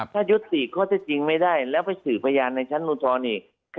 ถ้ายุติข้อเท็จจริงไม่ได้แล้วไปสื่อพยานในชั้นมทรอีก